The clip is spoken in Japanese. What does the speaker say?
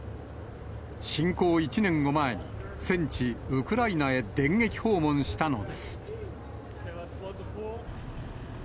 侵攻１年を前に、戦地、ウクライナへ電撃訪問したのです。